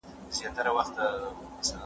د ټولني اساس باید په څه ولاړ وي؟